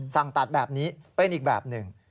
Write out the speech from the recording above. สั่งตัดแบบนี้เป็นอีกแบบหนึ่ง